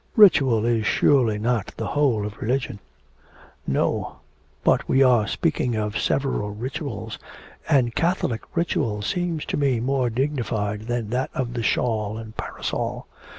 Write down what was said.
'Ritual is surely not the whole of religion?' 'No. But we were speaking of several rituals, and Catholic ritual seems to me more dignified than that of the shawl and parasol.